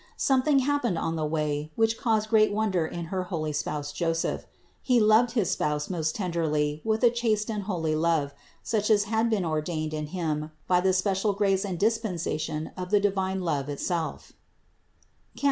Something happened on the way, which caused great wonder in her holy spouse Joseph : he loved his Spouse most tenderly with a chaste and holy love, such as had been ordained in Him by the special grace and dispensation of the divine love itself (Cant.